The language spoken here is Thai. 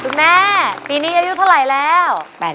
คุณแม่ปีนี้อายุเท่าไหร่แล้ว